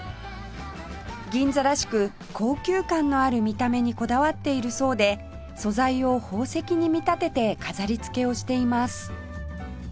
銀座らしく高級感のある見た目にこだわっているそうで素材を宝石に見立てて飾り付けをしています